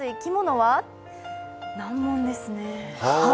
難問ですね。